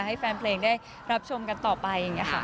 ให้แฟนเพลงได้รับชมกันต่อไปอย่างนี้ค่ะ